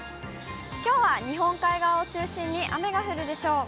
きょうは日本海側を中心に雨が降るでしょう。